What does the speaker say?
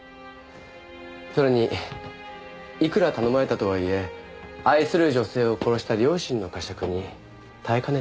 それにいくら頼まれたとはいえ愛する女性を殺した良心の呵責に耐えかねていた。